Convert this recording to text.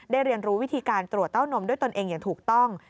เรียนรู้วิธีการตรวจเต้านมด้วยตนเองอย่างถูกต้อง